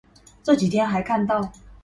這幾天還看到